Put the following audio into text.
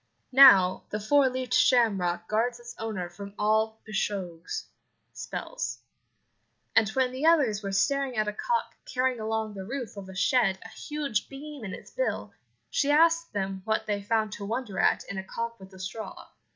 Now, the four leaved shamrock guards its owner from all pishogues (spells), and when the others were staring at a cock carrying along the roof of a shed a huge beam in its bill, she asked them what they found to wonder at in a cock with a straw.